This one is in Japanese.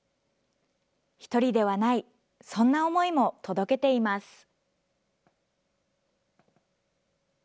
一人ではない、そんな思いも届けています。